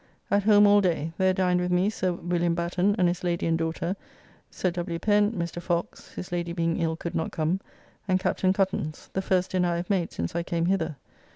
At home all day. There dined with me Sir William Batten and his lady and daughter, Sir W. Pen, Mr. Fox (his lady being ill could not come), and Captain Cuttance; the first dinner I have made since I came hither.